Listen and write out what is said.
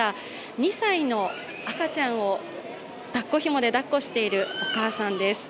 ２歳の赤ちゃんをだっこひもでだっこしているお母さんです。